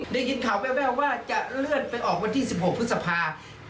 ได้ยินข่าวแววว่าจะเลื่อนไปออกวันที่๑๖พฤษภา